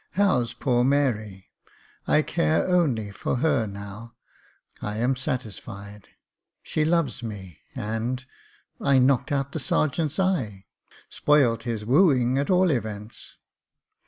How's poor Mary ? I care only for her now — I am satisfied — she loves me and — I knocked out the sergeant's eye — spoilt his wooing, at all events."